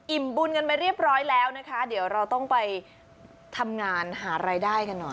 บุญกันไปเรียบร้อยแล้วนะคะเดี๋ยวเราต้องไปทำงานหารายได้กันหน่อย